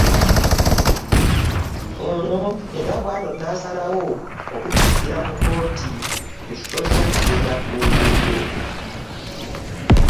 Ono era bw'atyo n'asalawo okuddukira mu kkooti mu kifo ky'okugenda ku nguudo